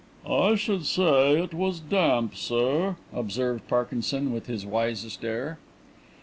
"I should say it was damp, sir," observed Parkinson, with his wisest air.